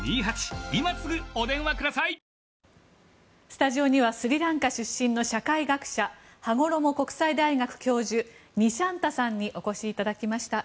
スタジオにはスリランカ出身の社会学者羽衣国際大学教授にしゃんたさんにお越しいただきました。